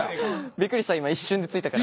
びっくりした今一瞬でついたから。